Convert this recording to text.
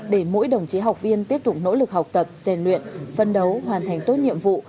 để mỗi đồng chí học viên tiếp tục nỗ lực học tập rèn luyện phân đấu hoàn thành tốt nhiệm vụ